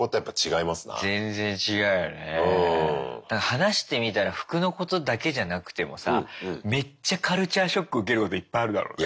話してみたら服のことだけじゃなくてもさめっちゃカルチャーショック受けることいっぱいあるだろうな。